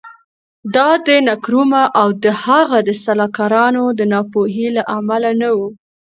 دا د نکرومه او د هغه د سلاکارانو د ناپوهۍ له امله نه و.